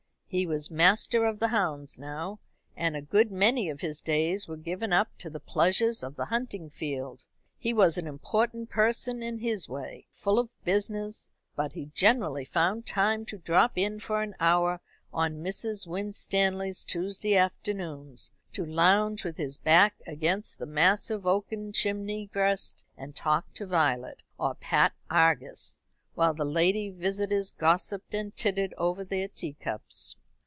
He was master of the hounds now, and a good many of his days were given up to the pleasures of the hunting field. He was an important person in his way, full of business; but he generally found time to drop in for an hour on Mrs. Winstanley's Tuesday afternoons, to lounge with his back against the massive oaken chimney breast and talk to Violet, or pat Argus, while the lady visitors gossiped and tittered over their tea cups.